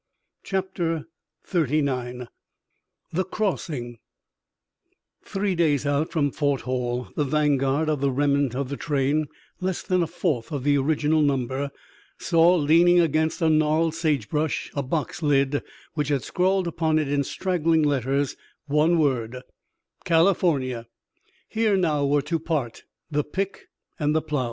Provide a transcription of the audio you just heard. CHAPTER XXXIX THE CROSSING Three days out from Fort Hall the vanguard of the remnant of the train, less than a fourth of the original number, saw leaning against a gnarled sagebrush a box lid which had scrawled upon it in straggling letters one word "California." Here now were to part the pick and the plow.